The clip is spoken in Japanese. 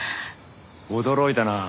驚いたな。